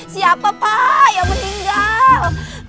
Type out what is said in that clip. siapa pak yang meninggal